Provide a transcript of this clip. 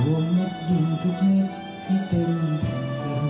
รวมเม็ดยืนทุกเม็ดให้เป็นแผ่นหนึ่ง